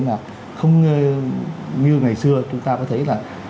là không như ngày xưa chúng ta có thấy là